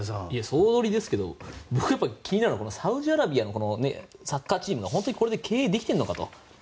総取りですけど僕やっぱり気になるのはサウジアラビアのサッカーチームがこれで経営できてるのかと。